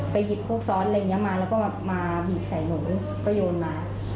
หยิบพวกซ้อนอะไรอย่างนี้มาแล้วก็แบบมาบีบใส่หนูก็โยนมา